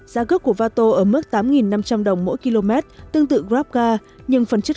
giá gốc của vato ở mức tám năm trăm linh đồng mỗi km tương tự grab car